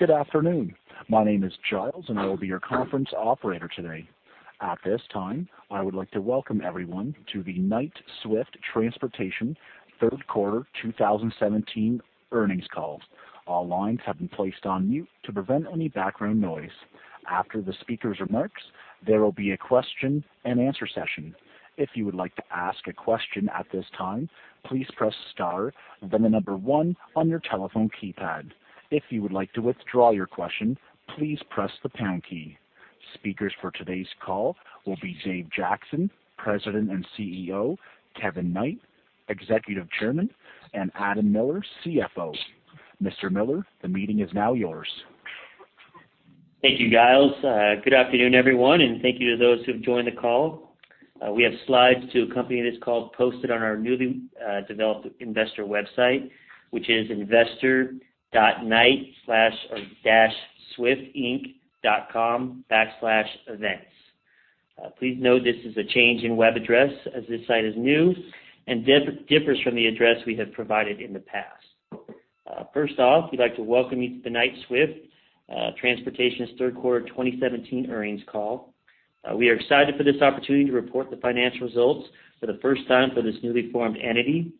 Good afternoon. My name is Giles, and I will be your conference operator today. At this time, I would like to welcome everyone to the Knight-Swift Transportation Third Quarter 2017 Earnings Call. All lines have been placed on mute to prevent any background noise. After the speaker's remarks, there will be a question-and-answer session. If you would like to ask a question at this time, please press star, then the number one on your telephone keypad. If you would like to withdraw your question, please press the pound key. Speakers for today's call will be Dave Jackson, President and CEO, Kevin Knight, Executive Chairman, and Adam Miller, CFO. Mr. Miller, the meeting is now yours. Thank you, Giles. Good afternoon, everyone, and thank you to those who've joined the call. We have slides to accompany this call posted on our newly developed investor website, which is investor.knight-swift.com/events. Please note this is a change in web address as this site is new and differs from the address we have provided in the past. First off, we'd like to welcome you to the Knight-Swift Transportation's third quarter 2017 earnings call. We are excited for this opportunity to report the financial results for the first time for this newly formed entity.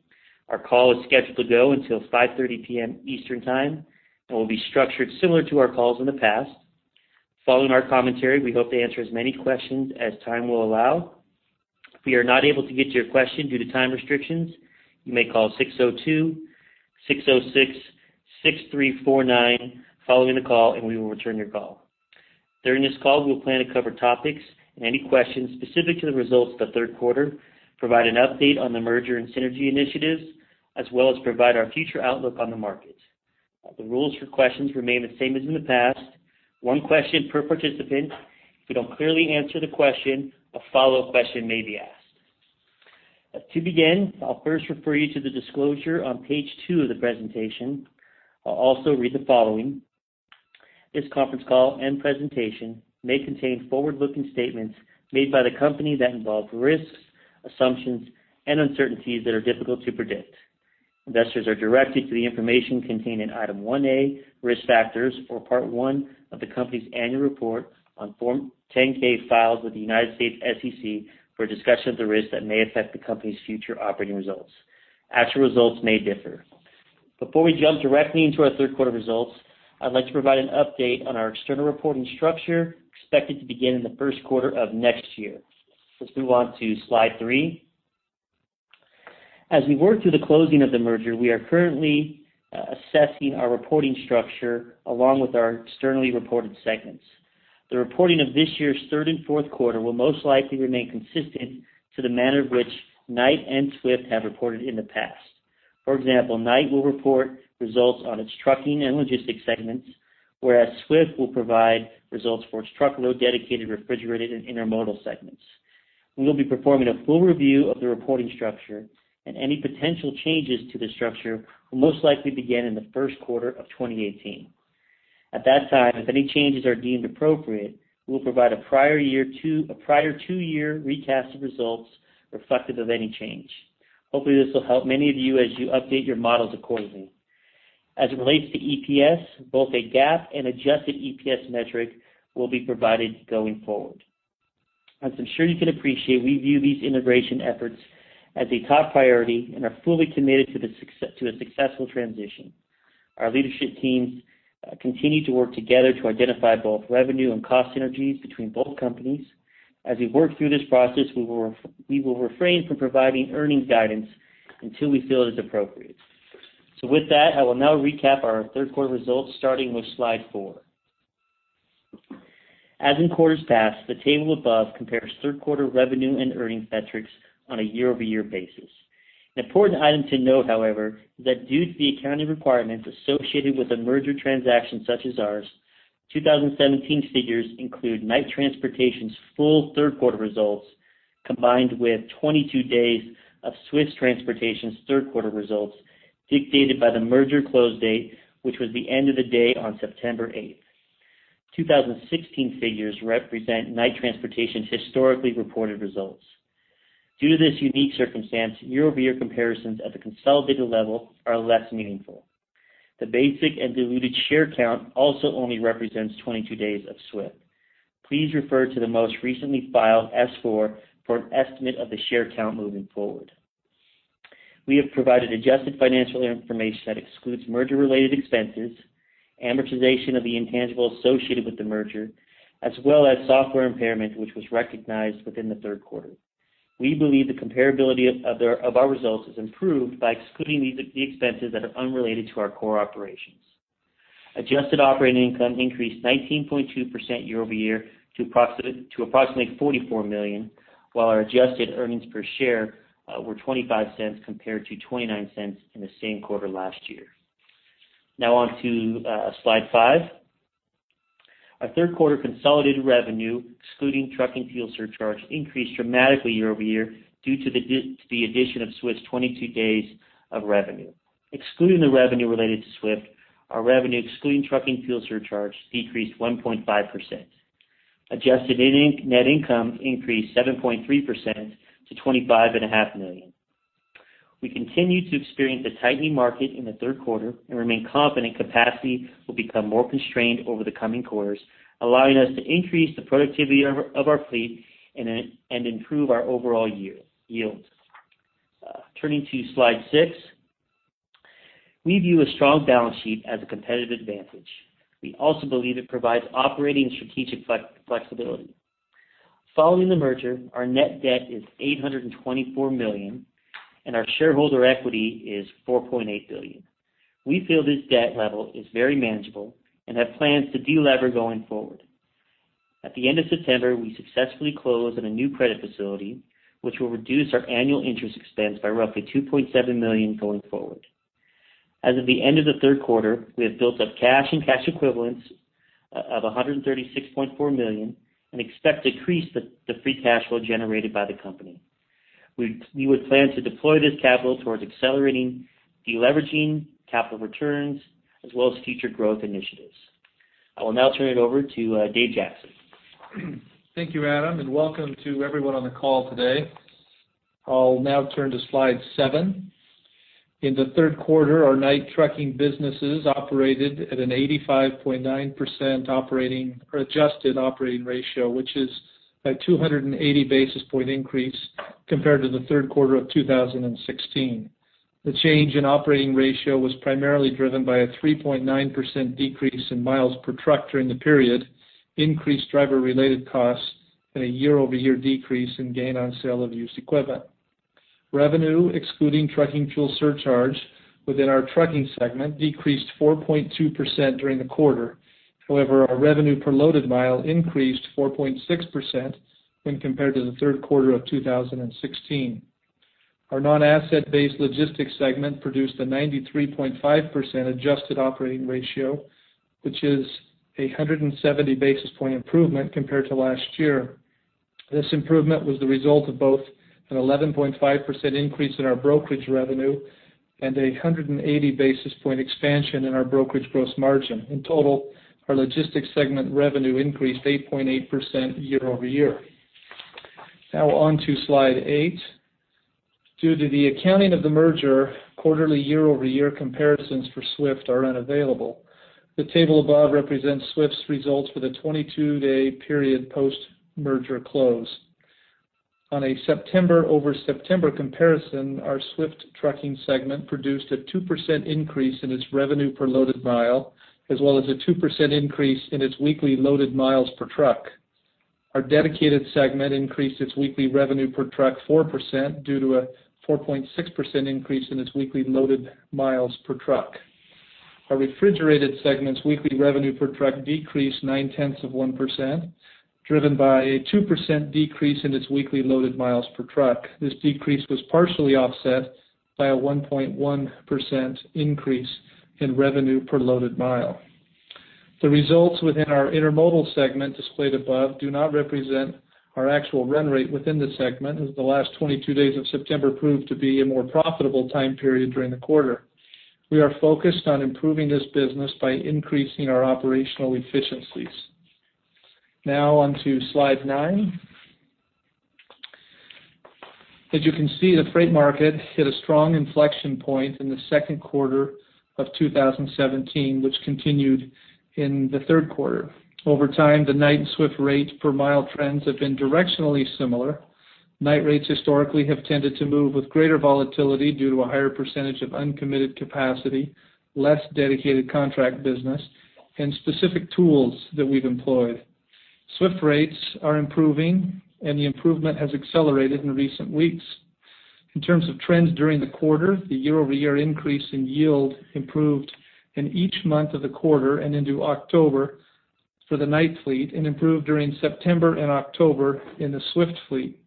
Our call is scheduled to go until 5:30 P.M. Eastern Time and will be structured similar to our calls in the past. Following our commentary, we hope to answer as many questions as time will allow. If we are not able to get to your question due to time restrictions, you may call 602-606-6349 following the call, and we will return your call. During this call, we'll plan to cover topics and any questions specific to the results of the third quarter, provide an update on the merger and synergy initiatives, as well as provide our future outlook on the market. The rules for questions remain the same as in the past. One question per participant. If we don't clearly answer the question, a follow-up question may be asked. To begin, I'll first refer you to the disclosure on page two of the presentation. I'll also read the following, "This conference call and presentation may contain forward-looking statements made by the company that involve risks, assumptions, and uncertainties that are difficult to predict. Investors are directed to the information contained in Item 1A, Risk Factors, of Part I of the company's Annual Report on Form 10-K filed with the United States SEC for a discussion of the risks that may affect the company's future operating results. Actual results may differ. Before we jump directly into our third quarter results, I'd like to provide an update on our external reporting structure, expected to begin in the first quarter of next year. Let's move on to slide three. As we work through the closing of the merger, we are currently assessing our reporting structure along with our externally reported segments. The reporting of this year's third and fourth quarter will most likely remain consistent to the manner of which Knight and Swift have reported in the past. For example, Knight will report results on its trucking and logistics segments, whereas Swift will provide results for its truckload, dedicated, refrigerated, and intermodal segments. We will be performing a full review of the reporting structure, and any potential changes to the structure will most likely begin in the first quarter of 2018. At that time, if any changes are deemed appropriate, we will provide a prior two-year recast of results reflective of any change. Hopefully, this will help many of you as you update your models accordingly. As it relates to EPS, both a GAAP and adjusted EPS metric will be provided going forward. As I'm sure you can appreciate, we view these integration efforts as a top priority and are fully committed to a successful transition. Our leadership teams continue to work together to identify both revenue and cost synergies between both companies. As we work through this process, we will refrain from providing earnings guidance until we feel it is appropriate. So with that, I will now recap our third quarter results, starting with slide four. As in quarters past, the table above compares third quarter revenue and earnings metrics on a year-over-year basis. An important item to note, however, is that due to the accounting requirements associated with a merger transaction such as ours, 2017 figures include Knight Transportation's full third quarter results, combined with 22 days of Swift Transportation's third quarter results, dictated by the merger close date, which was the end of the day on September 8. 2016 figures represent Knight Transportation's historically reported results. Due to this unique circumstance, year-over-year comparisons at the consolidated level are less meaningful. The basic and diluted share count also only represents 22 days of Swift. Please refer to the most recently filed S-4 for an estimate of the share count moving forward. We have provided adjusted financial information that excludes merger-related expenses, amortization of the intangibles associated with the merger, as well as software impairment, which was recognized within the third quarter. We believe the comparability of our results is improved by excluding the expenses that are unrelated to our core operations. Adjusted operating income increased 19.2% year-over-year to approximately $44 million, while our adjusted earnings per share were $0.25 compared to $0.29 in the same quarter last year. Now on to slide five. Our third quarter consolidated revenue, excluding trucking fuel surcharge, increased dramatically year over year due to the addition of Swift's 22 days of revenue. Excluding the revenue related to Swift, our revenue, excluding trucking fuel surcharge, decreased 1.5%. Adjusted net income increased 7.3% to $25.5 million. We continue to experience a tightening market in the third quarter and remain confident capacity will become more constrained over the coming quarters, allowing us to increase the productivity of our fleet and improve our overall yields. Turning to Slide six. We view a strong balance sheet as a competitive advantage. We also believe it provides operating strategic flexibility. Following the merger, our net debt is $824 million, and our shareholder equity is $4.8 billion. We feel this debt level is very manageable and have plans to delever going forward. At the end of September, we successfully closed on a new credit facility, which will reduce our annual interest expense by roughly $2.7 million going forward. As of the end of the third quarter, we have built up cash and cash equivalents of $136.4 million and expect to increase the free cash flow generated by the company. We would plan to deploy this capital towards accelerating deleveraging, capital returns, as well as future growth initiatives. I will now turn it over to Dave Jackson. Thank you, Adam, and welcome to everyone on the call today. I'll now turn to Slide seven. In the third quarter, our Knight trucking businesses operated at an 85.9% operating or adjusted operating ratio, which is a 280 basis point increase compared to the third quarter of 2016. The change in operating ratio was primarily driven by a 3.9% decrease in miles per truck during the period, increased driver-related costs, and a year-over-year decrease in gain on sale of used equipment. Revenue, excluding trucking fuel surcharge within our trucking segment, decreased 4.2% during the quarter. However, our revenue per loaded mile increased 4.6% when compared to the third quarter of 2016. Our non-asset-based logistics segment produced a 93.5% adjusted operating ratio, which is a 170 basis point improvement compared to last year. This improvement was the result of both an 11.5% increase in our brokerage revenue and a 180 basis point expansion in our brokerage gross margin. In total, our logistics segment revenue increased 8.8% year over year. Now on to Slide eight. Due to the accounting of the merger, quarterly year-over-year comparisons for Swift are unavailable. The table above represents Swift's results for the 22-day period post-merger close. On a September over September comparison, our Swift trucking segment produced a 2% increase in its revenue per loaded mile, as well as a 2% increase in its weekly loaded miles per truck. Our dedicated segment increased its weekly revenue per truck 4% due to a 4.6% increase in its weekly loaded miles per truck. Our refrigerated segment's weekly revenue per truck decreased 0.9%, driven by a 2% decrease in its weekly loaded miles per truck. This decrease was partially offset by a 1.1% increase in revenue per loaded mile. The results within our intermodal segment, displayed above, do not represent our actual run rate within the segment, as the last 22 days of September proved to be a more profitable time period during the quarter. We are focused on improving this business by increasing our operational efficiencies. Now on to Slide nine. As you can see, the freight market hit a strong inflection point in the second quarter of 2017, which continued in the third quarter. Over time, the Knight and Swift rates per mile trends have been directionally similar. Knight rates historically have tended to move with greater volatility due to a higher percentage of uncommitted capacity, less dedicated contract business, and specific tools that we've employed. Swift rates are improving, and the improvement has accelerated in recent weeks. In terms of trends during the quarter, the year-over-year increase in yield improved in each month of the quarter and into October for the Knight fleet and improved during September and October in the Swift fleet.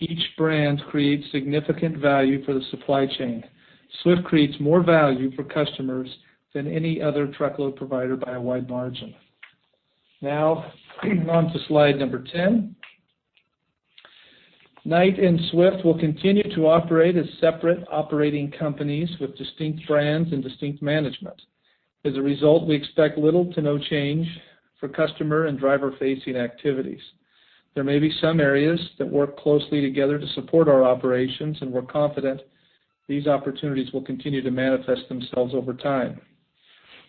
Each brand creates significant value for the supply chain. Swift creates more value for customers than any other truckload provider by a wide margin. Now, on to slide number 10. Knight and Swift will continue to operate as separate operating companies with distinct brands and distinct management. As a result, we expect little to no change for customer and driver-facing activities. There may be some areas that work closely together to support our operations, and we're confident these opportunities will continue to manifest themselves over time.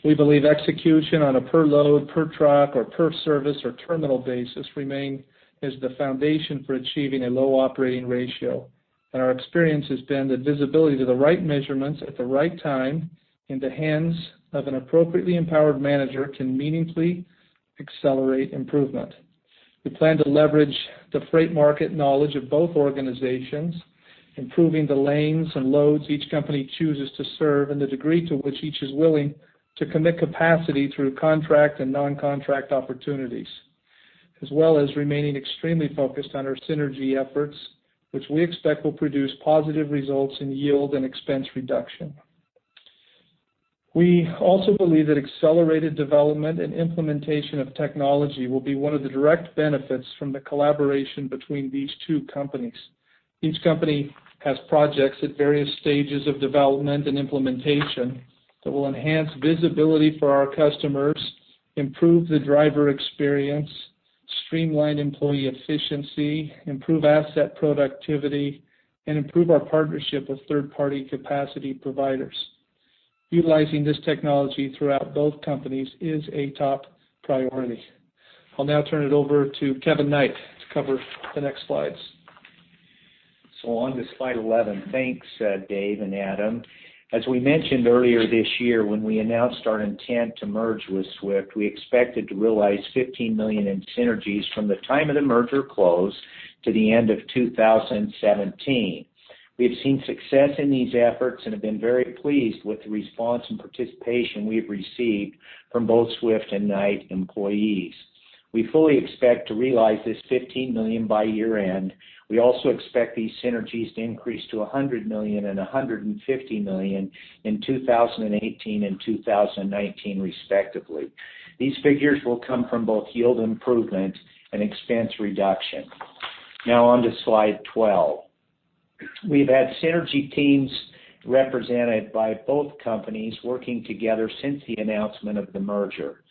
We believe execution on a per load, per truck, or per service, or terminal basis remain as the foundation for achieving a low operating ratio. Our experience has been that visibility to the right measurements at the right time in the hands of an appropriately empowered manager can meaningfully accelerate improvement. We plan to leverage the freight market knowledge of both organizations, improving the lanes and loads each company chooses to serve, and the degree to which each is willing to commit capacity through contract and non-contract opportunities, as well as remaining extremely focused on our synergy efforts, which we expect will produce positive results in yield and expense reduction. We also believe that accelerated development and implementation of technology will be one of the direct benefits from the collaboration between these two companies. Each company has projects at various stages of development and implementation that will enhance visibility for our customers, improve the driver experience, streamline employee efficiency, improve asset productivity, and improve our partnership with third-party capacity providers. Utilizing this technology throughout both companies is a top priority. I'll now turn it over to Kevin Knight to cover the next slides. So on to slide 11. Thanks, Dave and Adam. As we mentioned earlier this year, when we announced our intent to merge with Swift, we expected to realize $15 million in synergies from the time of the merger close to the end of 2017. We have seen success in these efforts and have been very pleased with the response and participation we have received from both Swift and Knight employees. We fully expect to realize this $15 million by year-end. We also expect these synergies to increase to $100 million and $150 million in 2018 and 2019, respectively. These figures will come from both yield improvement and expense reduction. Now on to slide 12. We've had synergy teams represented by both companies working together since the announcement of the merger.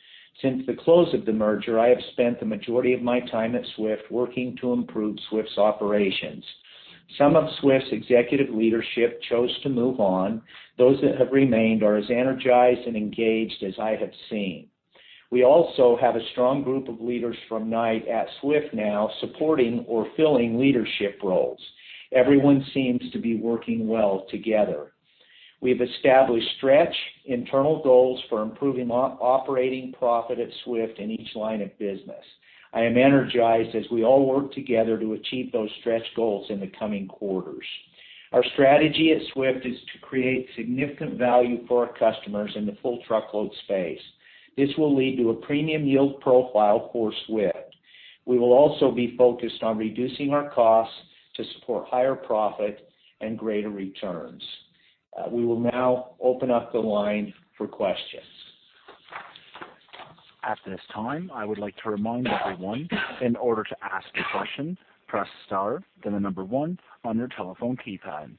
Since the close of the merger, I have spent the majority of my time at Swift working to improve Swift's operations. Some of Swift's executive leadership chose to move on. Those that have remained are as energized and engaged as I have seen. We also have a strong group of leaders from Knight at Swift now, supporting or filling leadership roles. Everyone seems to be working well together. We have established stretch internal goals for improving operating profit at Swift in each line of business. I am energized as we all work together to achieve those stretch goals in the coming quarters. Our strategy at Swift is to create significant value for our customers in the full truckload space. This will lead to a premium yield profile for Swift. We will also be focused on reducing our costs to support higher profit and greater returns. We will now open up the line for questions. At this time, I would like to remind everyone, in order to ask a question, press star, then the number one on your telephone keypad.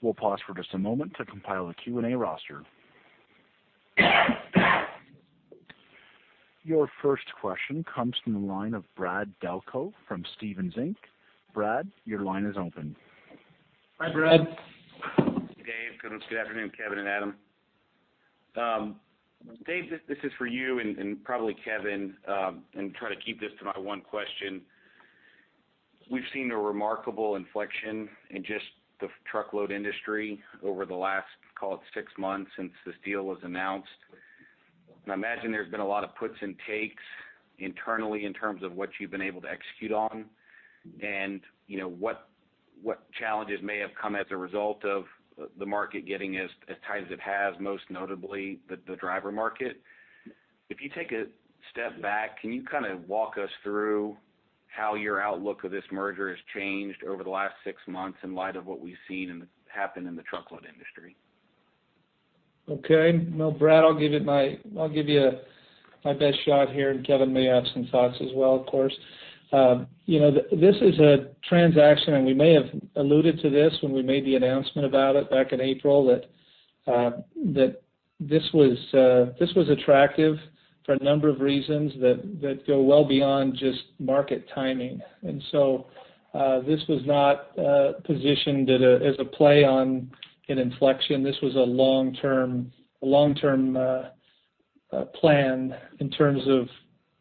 We'll pause for just a moment to compile a Q&A roster. Your first question comes from the line of Brad Delco from Stephens Inc, Brad, your line is open. Hi, Brad. Hey, Dave. Good afternoon, Kevin and Adam. Dave, this is for you and probably Kevin, and try to keep this to my one question. We've seen a remarkable inflection in just the truckload industry over the last, call it six months, since this deal was announced. And I imagine there's been a lot of puts and takes internally in terms of what you've been able to execute on, and, you know, what challenges may have come as a result of the market getting as tight as it has, most notably the driver market. If you take a step back, can you kind of walk us through how your outlook of this merger has changed over the last six months in light of what we've seen and happened in the truckload industry? Okay. Well, Brad, I'll give you my best shot here, and Kevin may have some thoughts as well, of course. You know, this is a transaction, and we may have alluded to this when we made the announcement about it back in April, that this was attractive for a number of reasons that go well beyond just market timing. So this was not positioned as a play on an inflection. This was a long-term plan in terms of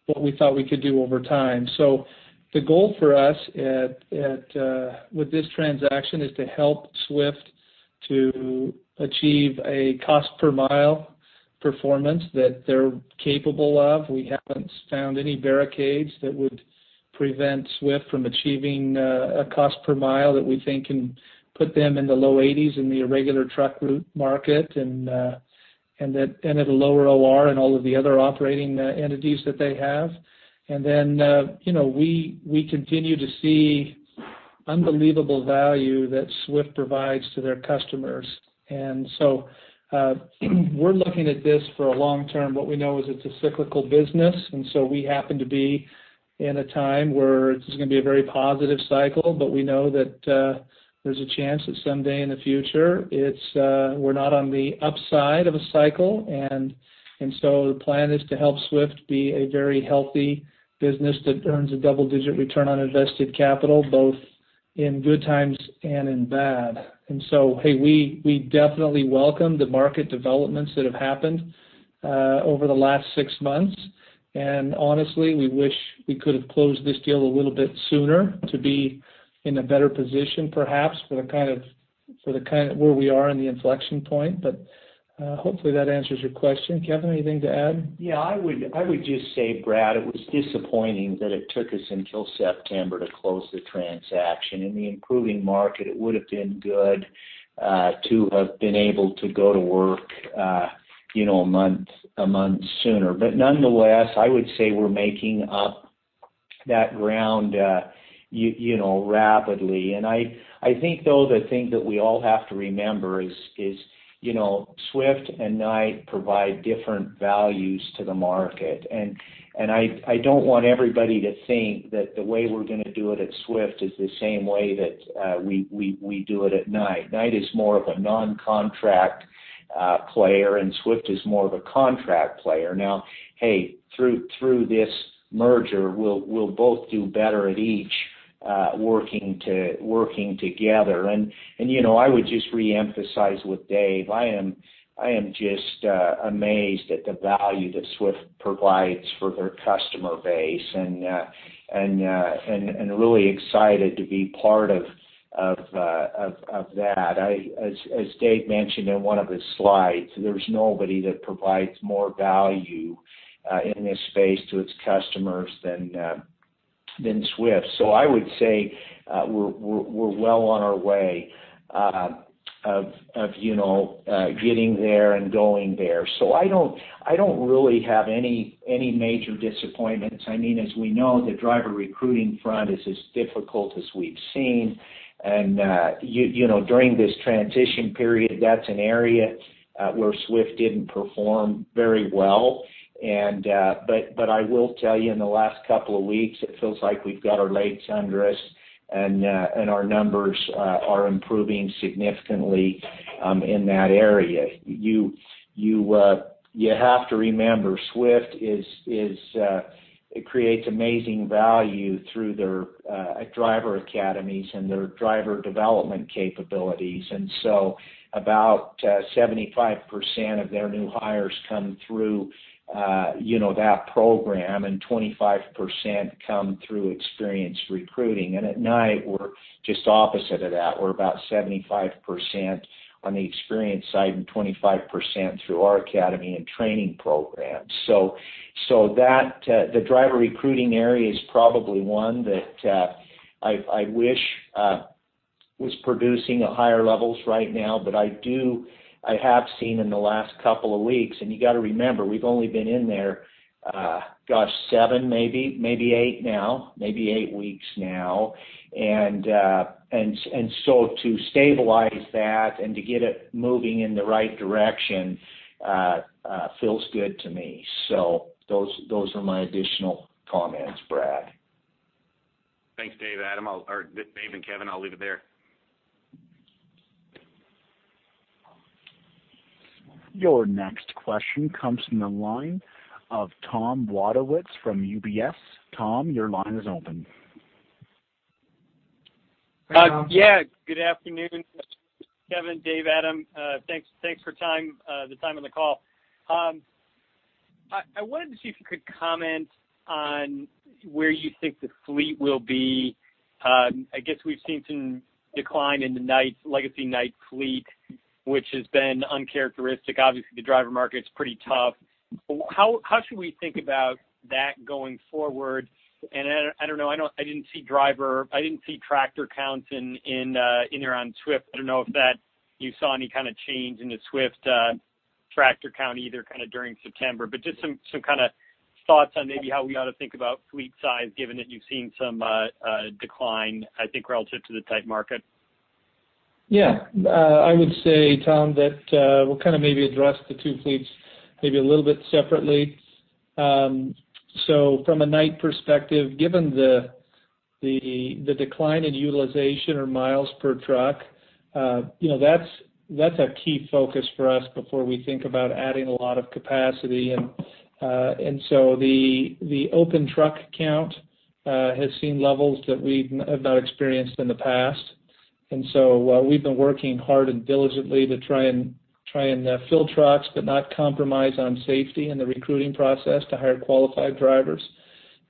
what we thought we could do over time. So the goal for us with this transaction is to help Swift to achieve a cost per mile performance that they're capable of. We haven't found any barricades that would prevent Swift from achieving a cost per mile that we think can put them in the low eighties in the irregular truck route market, and at a lower OR and all of the other operating entities that they have. Then, you know, we continue to see unbelievable value that Swift provides to their customers. And so, we're looking at this for a long term. What we know is it's a cyclical business, and so we happen to be in a time where it's going to be a very positive cycle, but we know that there's a chance that someday in the future, it's, we're not on the upside of a cycle. And so the plan is to help Swift be a very healthy business that earns a double-digit return on invested capital, both in good times and in bad. And so, hey, we definitely welcome the market developments that have happened over the last 6 months. And honestly, we wish we could have closed this deal a little bit sooner to be in a better position, perhaps, for the kind of where we are in the inflection point. But, hopefully, that answers your question. Kevin, anything to add? Yeah, I would, I would just say, Brad, it was disappointing that it took us until September to close the transaction. In the improving market, it would have been good to have been able to go to work, you know, a month, a month sooner. But nonetheless, I would say we're making up that ground, you, you know, rapidly. And I, I think, though, the thing that we all have to remember is, is, you know, Swift and Knight provide different values to the market. And, and I, I don't want everybody to think that the way we're going to do it at Swift is the same way that we, we, we do it at Knight. Knight is more of a non-contract player, and Swift is more of a contract player. Now, hey, through, through this merger, we'll, we'll both do better at each working together. And you know, I would just reemphasize what Dave, I am just amazed at the value that Swift provides for their customer base, and really excited to be part of that. As Dave mentioned in one of his slides, there's nobody that provides more value in this space to its customers than Swift. So I would say, we're well on our way of you know getting there and going there. So I don't really have any major disappointments. I mean, as we know, the driver recruiting front is as difficult as we've seen. And you know, during this transition period, that's an area where Swift didn't perform very well. But I will tell you, in the last couple of weeks, it feels like we've got our legs under us, and our numbers are improving significantly in that area. You have to remember, Swift is it creates amazing value through their driver academies and their driver development capabilities. And so about 75% of their new hires come through you know that program, and 25% come through experienced recruiting. And at Knight, we're just opposite of that. We're about 75% on the experienced side and 25% through our academy and training program. So that the driver recruiting area is probably one that I wish was producing at higher levels right now. But I have seen in the last couple of weeks, and you gotta remember, we've only been in there, gosh, seven, maybe, maybe eight now, maybe eight weeks now. And so to stabilize that and to get it moving in the right direction, feels good to me. So those, those are my additional comments, Brad. Thanks, Dave, Adam. Or Dave and Kevin, I'll leave it there. Your next question comes from the line of Tom Wadewitz from UBS. Tom, your line is open. Yeah, good afternoon, Kevin, Dave, Adam. Thanks for the time on the call. I wanted to see if you could comment on where you think the fleet will be. I guess we've seen some decline in the Knight, legacy Knight fleet, which has been uncharacteristic. Obviously, the driver market's pretty tough. How should we think about that going forward? I don't know, I didn't see driver, I didn't see tractor counts in there on Swift. I don't know if you saw any kind of change in the Swift tractor count either kind of during September. But just some kind of thoughts on maybe how we ought to think about fleet size, given that you've seen some decline, I think, relative to the tight market. Yeah. I would say, Tom, that we'll kind of maybe address the two fleets maybe a little bit separately. So from a Knight perspective, given the decline in utilization or miles per truck, you know, that's a key focus for us before we think about adding a lot of capacity. And so the open truck count has seen levels that we've have not experienced in the past. And so we've been working hard and diligently to try and fill trucks, but not compromise on safety and the recruiting process to hire qualified drivers.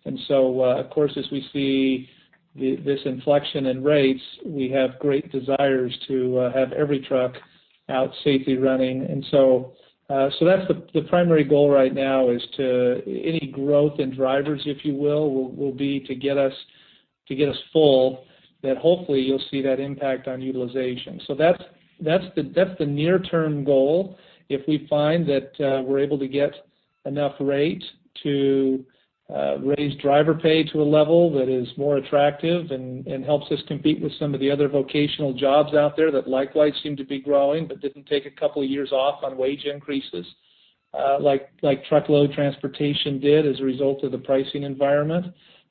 And so of course, as we see this inflection in rates, we have great desires to have every truck out safely running. So that's the primary goal right now is that any growth in drivers, if you will, will be to get us full, that hopefully you'll see that impact on utilization. So that's the near-term goal. If we find that we're able to get enough rate to raise driver pay to a level that is more attractive and helps us compete with some of the other vocational jobs out there that likewise seem to be growing, but didn't take a couple of years off on wage increases, like truckload transportation did as a result of the pricing environment,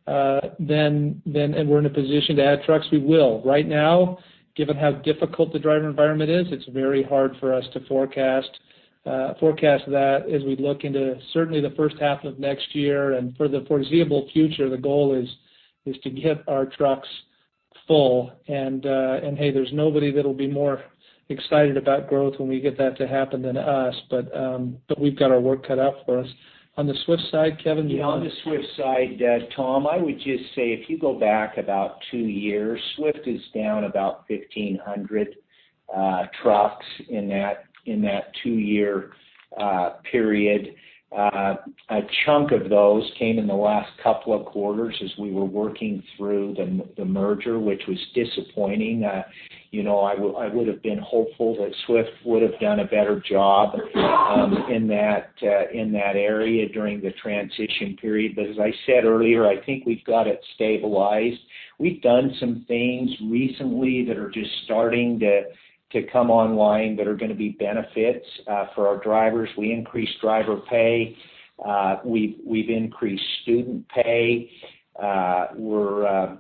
then and we're in a position to add trucks, we will. Right now, given how difficult the driver environment is, it's very hard for us to forecast that as we look into certainly the first half of next year. And for the foreseeable future, the goal is to get our trucks full. And, and hey, there's nobody that'll be more excited about growth when we get that to happen than us. But, but we've got our work cut out for us. On the Swift side, Kevin, do you want- Yeah, on the Swift side, Tom, I would just say if you go back about two years, Swift is down about 1,500 trucks in that two-year period. A chunk of those came in the last couple of quarters as we were working through the merger, which was disappointing. You know, I would have been hopeful that Swift would have done a better job in that area during the transition period. But as I said earlier, I think we've got it stabilized. We've done some things recently that are just starting to come online that are gonna be benefits for our drivers. We increased driver pay, we've increased student pay. We're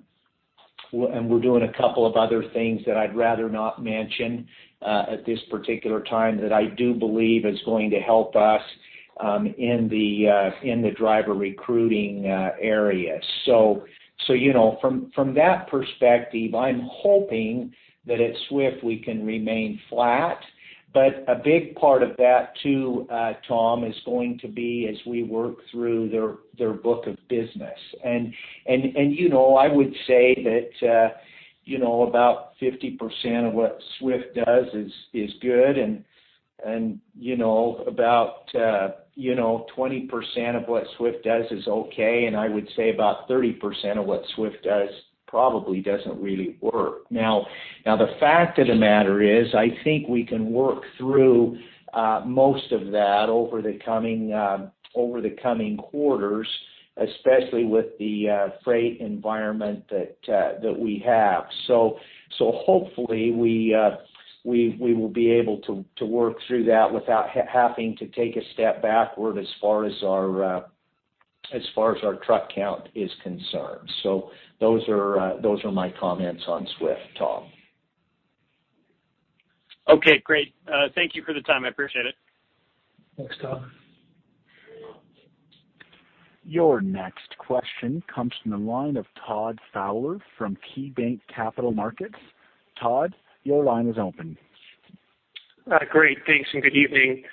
doing a couple of other things that I'd rather not mention at this particular time that I do believe is going to help us in the driver recruiting area. So, you know, from that perspective, I'm hoping that at Swift, we can remain flat. But a big part of that, too, Tom, is going to be as we work through their book of business. And you know, I would say that you know, about 50% of what Swift does is good, and you know, about you know, 20% of what Swift does is okay, and I would say about 30% of what Swift does probably doesn't really work. Now, now the fact of the matter is, I think we can work through most of that over the coming over the coming quarters, especially with the freight environment that that we have. So, so hopefully we we we will be able to to work through that without having to take a step backward as far as our as far as our truck count is concerned. So those are those are my comments on Swift, Tom. Okay, great. Thank you for the time. I appreciate it. Thanks, Tom. Your next question comes from the line of Todd Fowler from KeyBanc Capital Markets. Todd, your line is open. Great. Thanks, and good evening.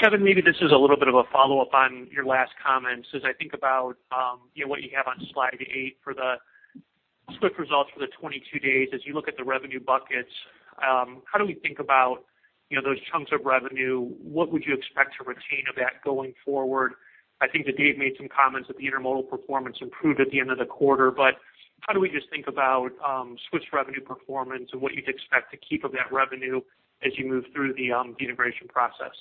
Kevin, maybe this is a little bit of a follow-up on your last comments. As I think about, you know, what you have on slide eight for the Swift results for the 22 days, as you look at the revenue buckets, how do we think about, you know, those chunks of revenue? What would you expect to retain of that going forward? I think that Dave made some comments that the intermodal performance improved at the end of the quarter, but how do we just think about, Swift's revenue performance and what you'd expect to keep of that revenue as you move through the, the integration process?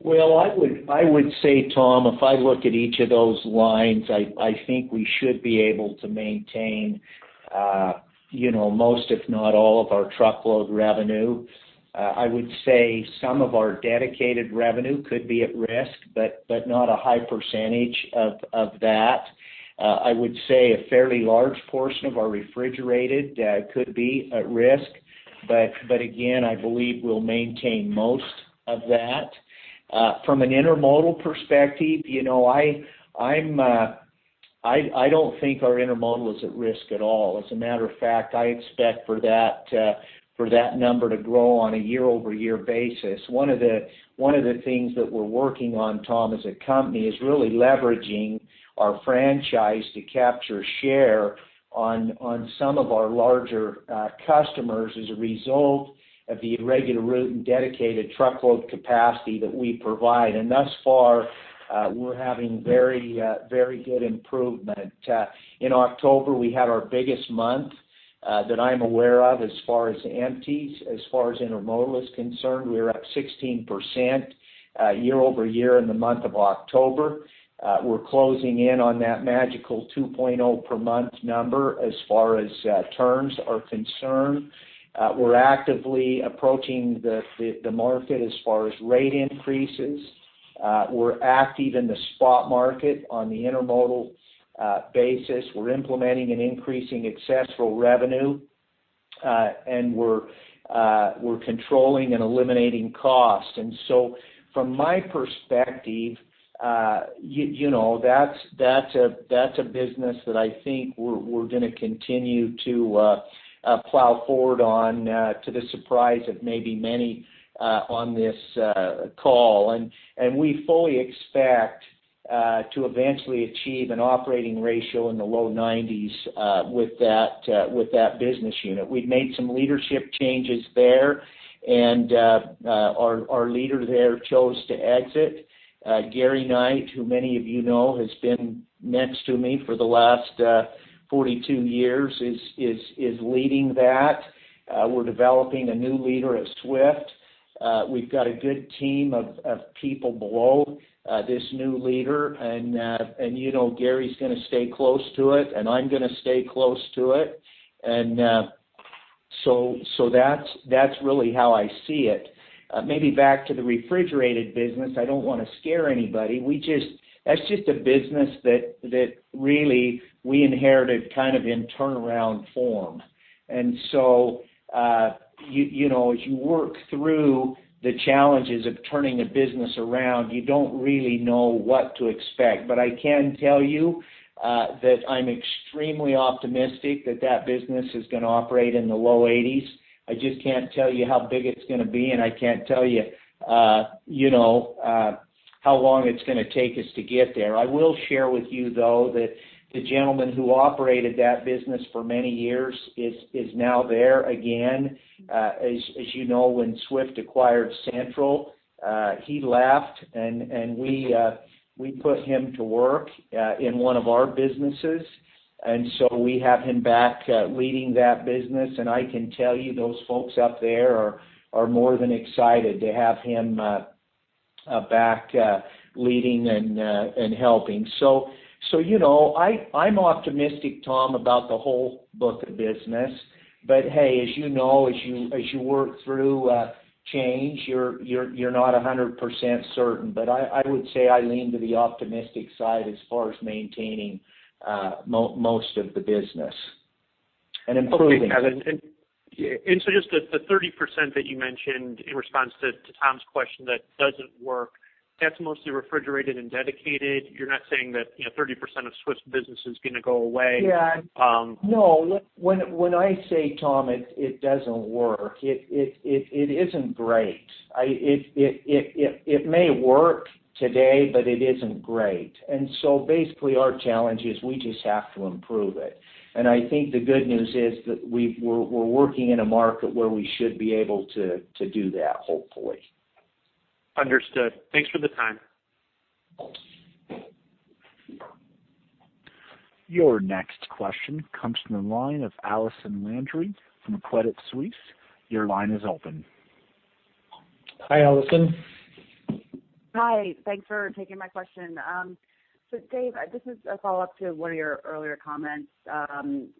Well, I would say, Tom, if I look at each of those lines, I think we should be able to maintain, you know, most, if not all, of our truckload revenue. I would say some of our dedicated revenue could be at risk, but not a high percentage of that. I would say a fairly large portion of our refrigerated could be at risk, but again, I believe we'll maintain most of that. From an intermodal perspective, you know, I don't think our intermodal is at risk at all. As a matter of fact, I expect for that number to grow on a year-over-year basis. One of the things that we're working on, Tom, as a company, is really leveraging our franchise to capture share on some of our larger customers as a result of the regular route and dedicated truckload capacity that we provide. Thus far, we're having very, very good improvement. In October, we had our biggest month that I'm aware of as far as empties, as far as intermodal is concerned; we were at 16% year-over-year in the month of October. We're closing in on that magical 2.0 per month number as far as turns are concerned. We're actively approaching the market as far as rate increases. We're active in the spot market on the intermodal basis. We're implementing an increasing access for revenue, and we're controlling and eliminating costs. And so from my perspective, you know, that's a business that I think we're gonna continue to plow forward on, to the surprise of maybe many on this call. And we fully expect to eventually achieve an operating ratio in the low nineties with that business unit. We've made some leadership changes there, and our leader there chose to exit. Gary Knight, who many of you know, has been next to me for the last 42 years, is leading that. We're developing a new leader at Swift. We've got a good team of people below this new leader, and you know, Gary's gonna stay close to it, and I'm gonna stay close to it. So that's really how I see it. Maybe back to the refrigerated business. I don't want to scare anybody. We just, that's just a business that really we inherited kind of in turnaround form. So you know, as you work through the challenges of turning a business around, you don't really know what to expect. But I can tell you that I'm extremely optimistic that that business is gonna operate in the low 80s. I just can't tell you how big it's gonna be, and I can't tell you you know how long it's gonna take us to get there. I will share with you, though, that the gentleman who operated that business for many years is now there again. As you know, when Swift acquired Central, he left, and we put him to work in one of our businesses, and so we have him back leading that business. And I can tell you, those folks up there are more than excited to have him back leading and helping. So you know, I'm optimistic, Tom, about the whole book of business. But hey, as you know, as you work through change, you're not 100% certain. But I would say I lean to the optimistic side as far as maintaining most of the business. Okay, Kevin, so just the 30% that you mentioned in response to Tom's question that doesn't work, that's mostly refrigerated and dedicated. You're not saying that, you know, 30% of Swift business is going to go away? Yeah. No, when I say, Tom, it doesn't work, it isn't great. It may work today, but it isn't great. And so basically, our challenge is we just have to improve it. And I think the good news is that we're working in a market where we should be able to do that, hopefully. Understood. Thanks for the time. Your next question comes from the line of Allison Landry from Credit Suisse. Your line is open. Hi, Allison. Hi, thanks for taking my question. So Dave, this is a follow-up to one of your earlier comments,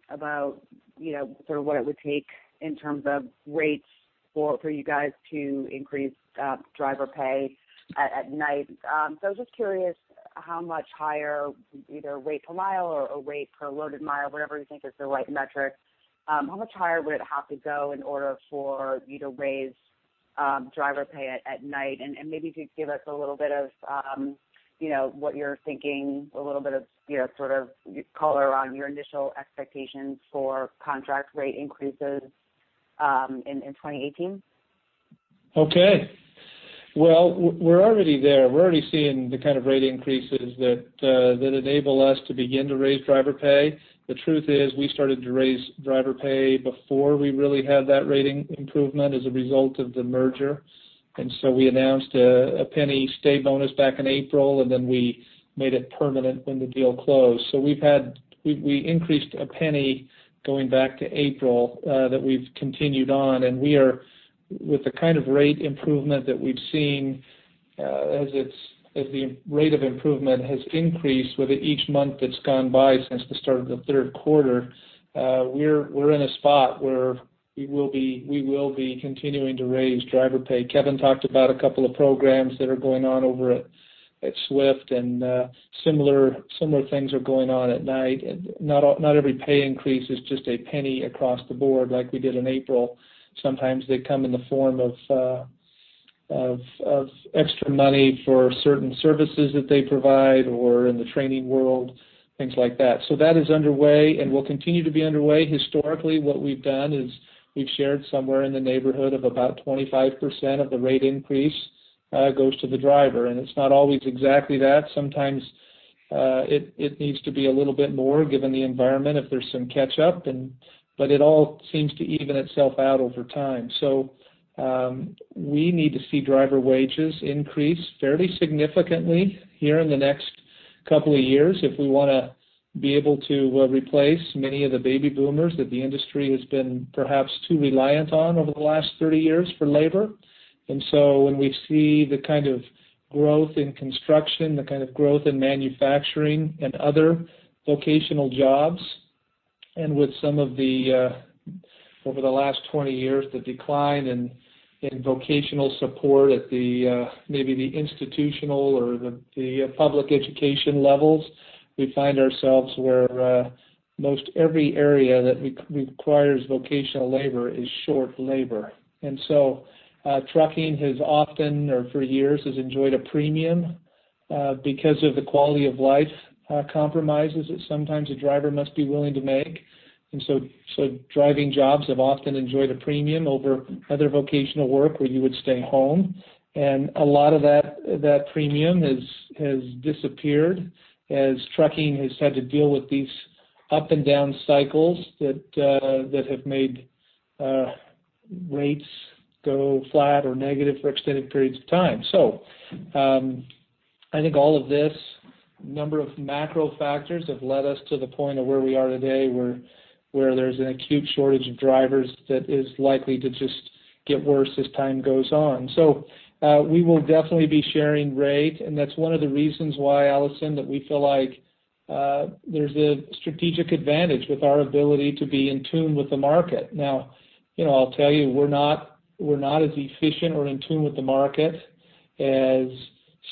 about, you know, sort of what it would take in terms of rates for you guys to increase driver pay at night. So just curious how much higher, either rate per mile or a rate per loaded mile, whatever you think is the right metric, how much higher would it have to go in order for you to raise driver pay at night? And maybe if you'd give us a little bit of, you know, what you're thinking, a little bit of, you know, sort of color around your initial expectations for contract rate increases in 2018. Okay. Well, we're already there. We're already seeing the kind of rate increases that enable us to begin to raise driver pay. The truth is, we started to raise driver pay before we really had that rating improvement as a result of the merger. And so we announced a penny-stay bonus back in April, and then we made it permanent when the deal closed. So we've had. We increased a penny going back to April that we've continued on, and we are, with the kind of rate improvement that we've seen, as the rate of improvement has increased with each month that's gone by since the start of the third quarter, we're in a spot where we will be continuing to raise driver pay. Kevin talked about a couple of programs that are going on over at Swift, and similar things are going on at Knight. Not every pay increase is just a penny across the board like we did in April. Sometimes they come in the form of extra money for certain services that they provide or in the training world, things like that. So that is underway and will continue to be underway. Historically, what we've done is we've shared somewhere in the neighborhood of about 25% of the rate increase goes to the driver, and it's not always exactly that. Sometimes it needs to be a little bit more given the environment, if there's some catch up and. But it all seems to even itself out over time. So, we need to see driver wages increase fairly significantly here in the next couple of years if we want to be able to replace many of the baby boomers that the industry has been perhaps too reliant on over the last 30 years for labor. And so when we see the kind of growth in construction, the kind of growth in manufacturing and other vocational jobs, and with some of the over the last 20 years, the decline in vocational support at the maybe the institutional or the public education levels, we find ourselves where most every area that requires vocational labor is short labor. And so trucking has often, or for years, has enjoyed a premium because of the quality of life compromises that sometimes a driver must be willing to make. Driving jobs have often enjoyed a premium over other vocational work where you would stay home. A lot of that premium has disappeared as trucking has had to deal with these up and down cycles that have made rates go flat or negative for extended periods of time. I think all of this number of macro factors have led us to the point of where we are today, where there's an acute shortage of drivers that is likely to just get worse as time goes on. We will definitely be sharing rate, and that's one of the reasons why, Allison, that we feel like there's a strategic advantage with our ability to be in tune with the market. Now, you know, I'll tell you, we're not, we're not as efficient or in tune with the market as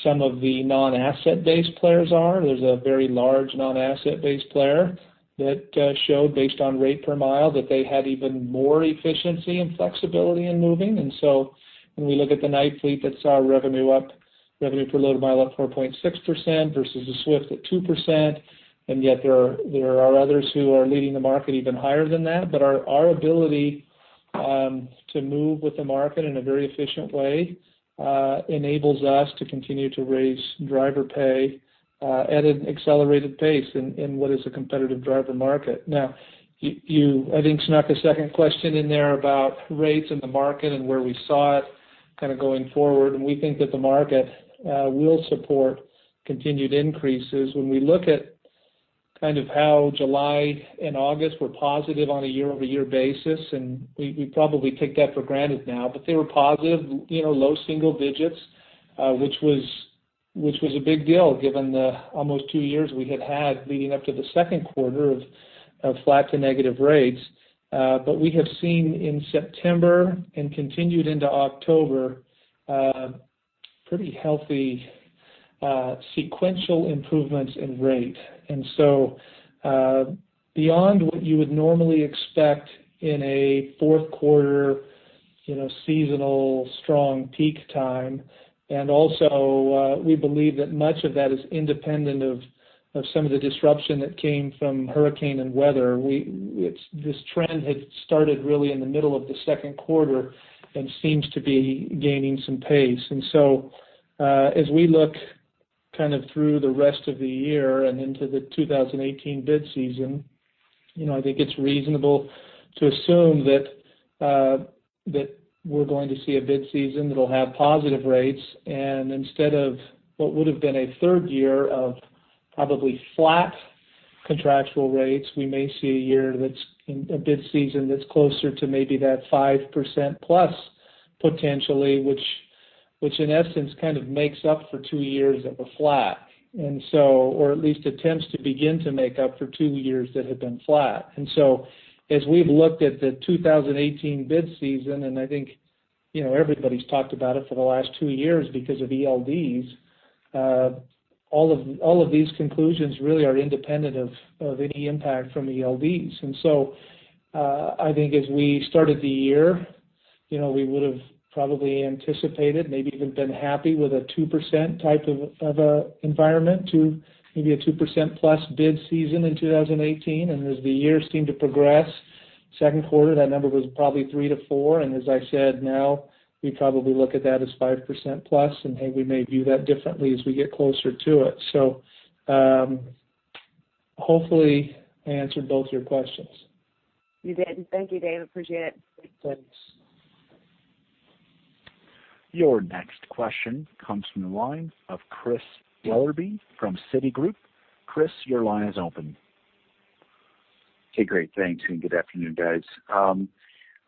some of the non-asset-based players are. There's a very large non-asset-based player that showed, based on rate per mile, that they had even more efficiency and flexibility in moving. And so when we look at the Knight fleet, that saw revenue up, revenue per loaded mile up 4.6% versus the Swift at 2%, and yet there are others who are leading the market even higher than that. But our ability to move with the market in a very efficient way enables us to continue to raise driver pay at an accelerated pace in what is a competitive driver market. Now, you I think snuck a second question in there about rates in the market and where we saw it kind of going forward, and we think that the market will support continued increases. When we look at kind of how July and August were positive on a year-over-year basis, and we probably take that for granted now, but they were positive, you know, low single digits, which was a big deal given the almost two years we had had leading up to the second quarter of flat to negative rates. But we have seen in September and continued into October pretty healthy, sequential improvements in rate. And so, beyond what you would normally expect in a fourth quarter, you know, seasonal, strong peak time, and also, we believe that much of that is independent of some of the disruption that came from hurricane and weather. This trend had started really in the middle of the second quarter and seems to be gaining some pace. And so, as we look kind of through the rest of the year and into the 2018 bid season, you know, I think it's reasonable to assume that we're going to see a bid season that'll have positive rates. Instead of what would have been a third year of probably flat contractual rates, we may see a year that's a bid season that's closer to maybe that 5%+, potentially, which in essence kind of makes up for two years of a flat. And so, or at least attempts to begin to make up for two years that have been flat. And so as we've looked at the 2018 bid season, and I think, you know, everybody's talked about it for the last two years because of ELDs, all of these conclusions really are independent of any impact from ELDs. I think as we started the year, you know, we would have probably anticipated, maybe even been happy with a 2% type of environment, to maybe a 2%+ bid season in 2018. And as the year seemed to progress, second quarter, that number was probably 3%-4%. And as I said, now we probably look at that as 5%+, and hey, we may view that differently as we get closer to it. So, hopefully, I answered both your questions. You did. Thank you, Dave, appreciate it. Thanks. Your next question comes from the line of Chris Wetherbee from Citigroup. Christian, your line is open. Hey, great, thanks, and good afternoon, guys.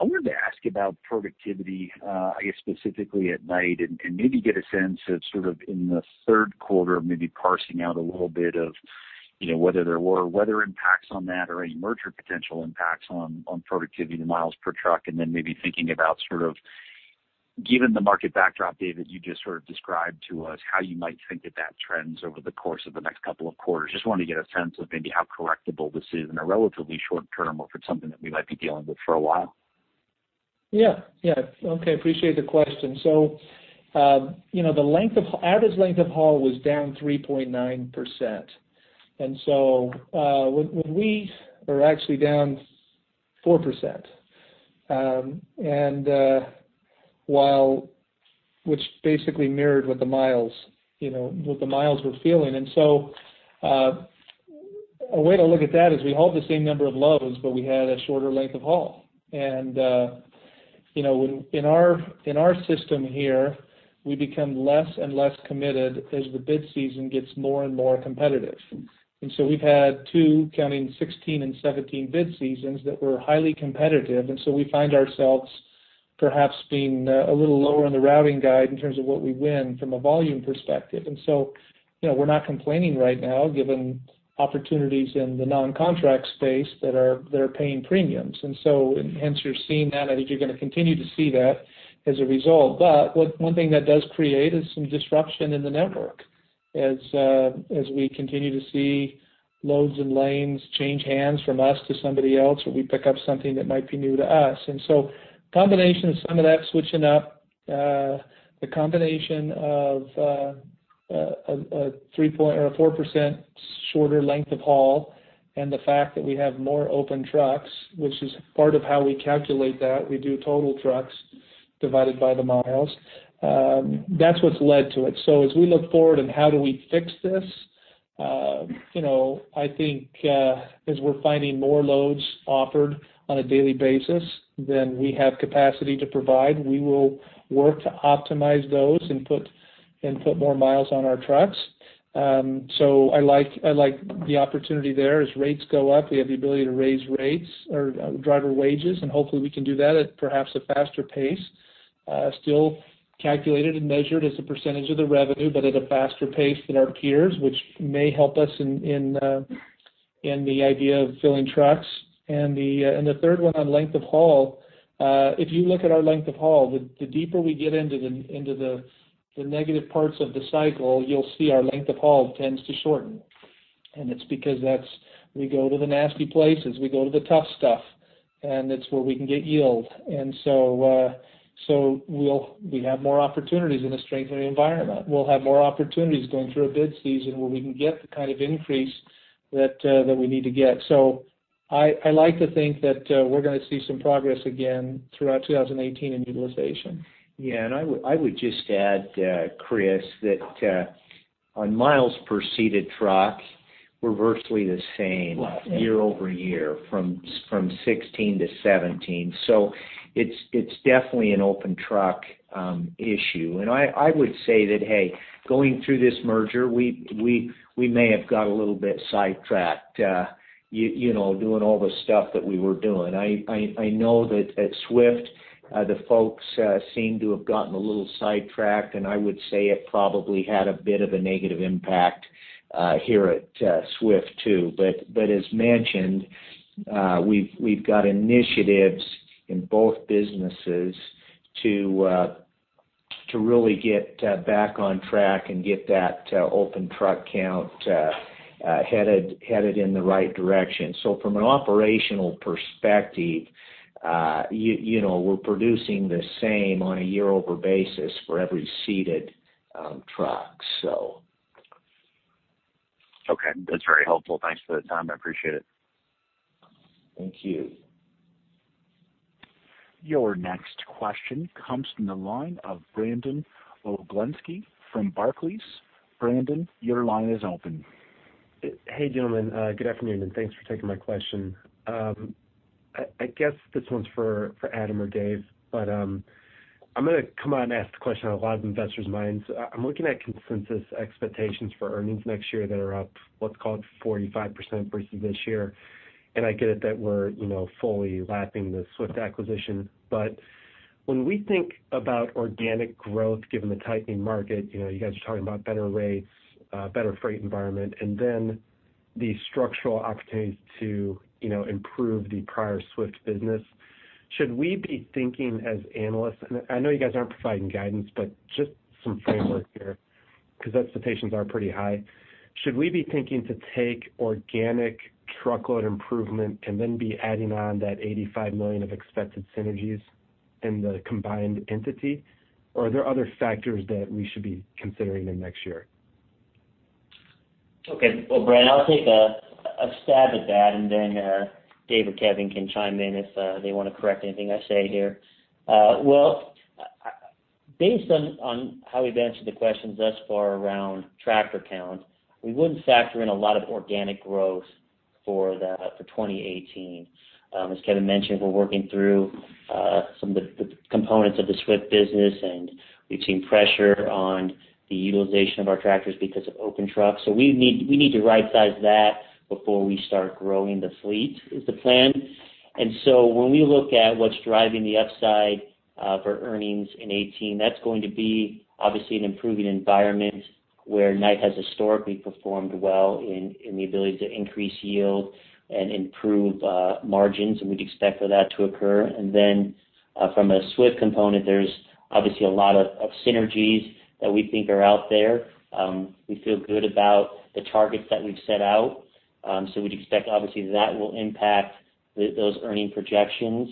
I wanted to ask about productivity, I guess, specifically at Knight, and maybe get a sense of sort of in the third quarter, maybe parsing out a little bit of, you know, whether there were weather impacts on that or any merger potential impacts on productivity, the miles per truck. And then maybe thinking about sort of, given the market backdrop, Dave, that you just sort of described to us, how you might think that trends over the course of the next couple of quarters. Just wanted to get a sense of maybe how correctable this is in a relatively short term, or if it's something that we might be dealing with for a while. Yeah. Yeah. Okay, appreciate the question. So, you know, the average length of haul was down 3.9%. And so, when we... Or actually down 4%. And, which basically mirrored what the miles, you know, what the miles were feeling. And so, a way to look at that is we hauled the same number of loads, but we had a shorter length of haul. And, you know, in our, in our system here, we become less and less committed as the bid season gets more and more competitive. And so we've had two, counting 2016 and 2017 bid seasons, that were highly competitive, and so we find ourselves perhaps being, a little lower on the routing guide in terms of what we win from a volume perspective. And so, you know, we're not complaining right now, given opportunities in the non-contract space that are paying premiums. And so hence, you're seeing that. I think you're going to continue to see that as a result. But one thing that does create is some disruption in the network as we continue to see loads and lanes change hands from us to somebody else, or we pick up something that might be new to us. And so combination of some of that switching up, the combination of a 3% or 4% shorter length of haul, and the fact that we have more open trucks, which is part of how we calculate that, we do total trucks divided by the miles, that's what's led to it. So as we look forward and how do we fix this, you know, I think, as we're finding more loads offered on a daily basis, then we have capacity to provide. We will work to optimize those and put more miles on our trucks. So I like the opportunity there. As rates go up, we have the ability to raise rates or driver wages, and hopefully, we can do that at perhaps a faster pace. Still calculated and measured as a percentage of the revenue, but at a faster pace than our peers, which may help us in the idea of filling trucks. And the third one on length of haul, if you look at our length of haul, the deeper we get into the negative parts of the cycle, you'll see our length of haul tends to shorten. And it's because that's... We go to the nasty places, we go to the tough stuff, and it's where we can get yield. And so we'll have more opportunities in a strengthening environment. We'll have more opportunities going through a bid season where we can get the kind of increase that we need to get. So I like to think that we're going to see some progress again throughout 2018 in utilization. Yeah, and I would just add, Chris, that on miles per seated truck, we're virtually the same year over year from 2016 to 2017. So it's definitely an open truck issue. And I would say that, hey, going through this merger, we may have got a little bit sidetracked, you know, doing all the stuff that we were doing. I know that at Swift, the folks seem to have gotten a little sidetracked, and I would say it probably had a bit of a negative impact here at Swift, too. But as mentioned, we've got initiatives in both businesses to really get back on track and get that open truck count headed in the right direction. So from an operational perspective, you know, we're producing the same on a year-over-year basis for every seated truck, so. Okay, that's very helpful. Thanks for the time. I appreciate it. Thank you. Your next question comes from the line of Brandon Oglenski from Barclays. Brandon, your line is open. Hey, gentlemen, good afternoon, and thanks for taking my question. I guess this one's for Adam or Dave, but I'm going to come out and ask the question on a lot of investors' minds. I'm looking at consensus expectations for earnings next year that are up, let's call it 45% versus this year. And I get it that we're, you know, fully lapping the Swift acquisition. But when we think about organic growth, given the tightening market, you know, you guys are talking about better rates, better freight environment, and then the structural opportunities to, you know, improve the prior Swift business. Should we be thinking as analysts, and I know you guys aren't providing guidance, but just some framework here, because expectations are pretty high? Should we be thinking to take organic truckload improvement and then be adding on that $85 million of expected synergies in the combined entity? Or are there other factors that we should be considering in next year? Okay. Well, Brandon, I'll take a stab at that, and then Dave or Kevin can chime in if they want to correct anything I say here. Well, based on how we've answered the questions thus far around tractor count, we wouldn't factor in a lot of organic growth for 2018. As Kevin mentioned, we're working through some of the components of the Swift business, and we've seen pressure on the utilization of our tractors because of open trucks. So we need, we need to rightsize that before we start growing the fleet, is the plan. And so when we look at what's driving the upside for earnings in 2018, that's going to be obviously an improving environment where Knight has historically performed well in the ability to increase yield and improve margins, and we'd expect for that to occur. And then from a Swift component, there's obviously a lot of synergies that we think are out there. We feel good about the targets that we've set out. So we'd expect, obviously, that will impact those earnings projections.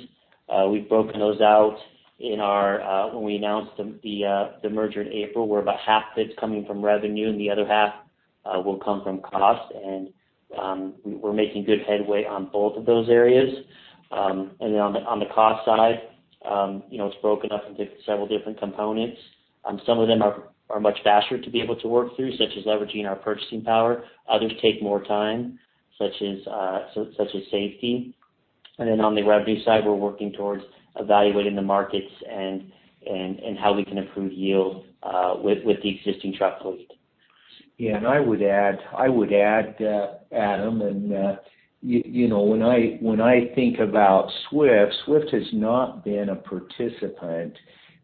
We've broken those out in our when we announced the merger in April, where about half of it's coming from revenue and the other half will come from cost. And we're making good headway on both of those areas. And then on the cost side, you know, it's broken up into several different components. Some of them are much faster to be able to work through, such as leveraging our purchasing power. Others take more time, such as safety. And then on the revenue side, we're working towards evaluating the markets and how we can improve yield with the existing truck fleet. Yeah, and I would add, I would add, Adam, and, you know, when I, when I think about Swift, Swift has not been a participant,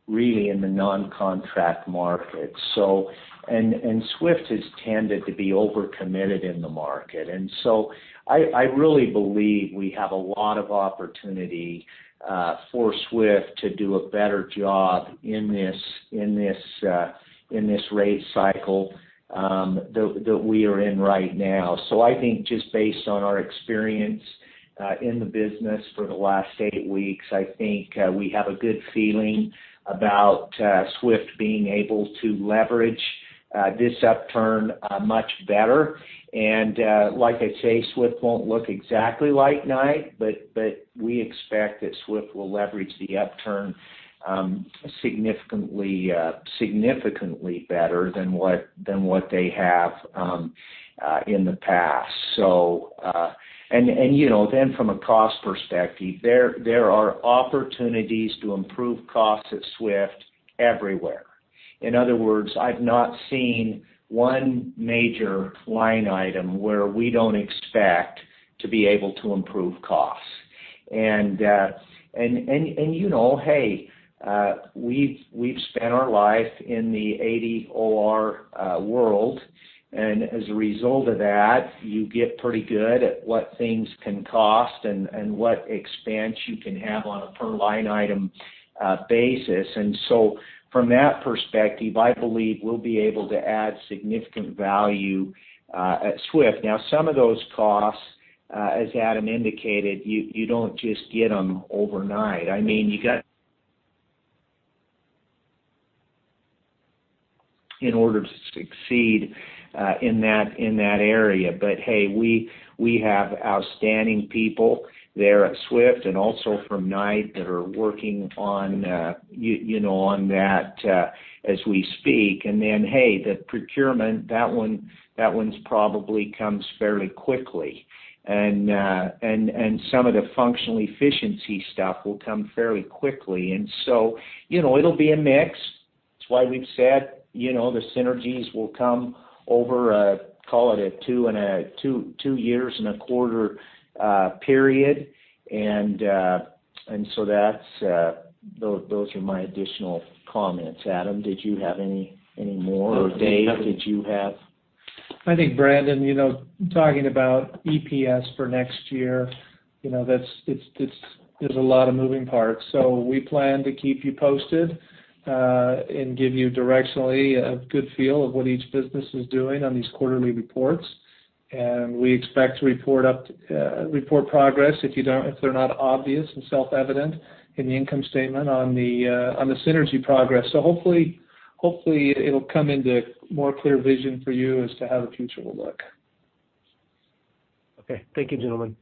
really in the non-contract market. So, and, and Swift has tended to be overcommitted in the market. And so I, I really believe we have a lot of opportunity, for Swift to do a better job in this, in this, in this rate cycle, that, that we are in right now. So I think just based on our experience, in the business for the last eight weeks, I think, we have a good feeling about, Swift being able to leverage, this upturn, much better. Like I say, Swift won't look exactly like Knight, but we expect that Swift will leverage the upturn significantly, significantly better than what they have in the past. So, you know, then from a cost perspective, there are opportunities to improve costs at Swift everywhere. In other words, I've not seen one major line item where we don't expect to be able to improve costs. And, you know, hey, we've spent our life in the 80 OR world, and as a result of that, you get pretty good at what things can cost and what expense you can have on a per line item basis. And so from that perspective, I believe we'll be able to add significant value at Swift. Now, some of those costs, as Adam indicated, you don't just get them overnight. I mean, you got... In order to succeed, in that area. But hey, we have outstanding people there at Swift and also from Knight that are working on, you know, on that, as we speak. And then, hey, the procurement, that one, that one's probably comes fairly quickly. And some of the functional efficiency stuff will come fairly quickly. And so, you know, it'll be a mix. That's why we've said, you know, the synergies will come over, call it a two and a two, two years and a quarter period. And so that's those are my additional comments. Adam, did you have any more? Or Dave, did you have? I think, Brandon, you know, talking about EPS for next year, you know, that's, it's, there's a lot of moving parts. So we plan to keep you posted, and give you directionally a good feel of what each business is doing on these quarterly reports. And we expect to report progress, if they're not obvious and self-evident in the income statement on the synergy progress. So hopefully, hopefully, it'll come into more clear vision for you as to how the future will look. Okay. Thank you, gentlemen.